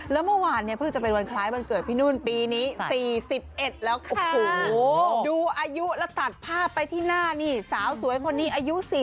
แล้วเมื่อวานเนี่ยเพิ่งจะเป็นวันคล้ายวันเกิดพี่นุ่นปีนี้๔๑แล้วโอ้โหดูอายุแล้วตัดภาพไปที่หน้านี่สาวสวยคนนี้อายุ๔๐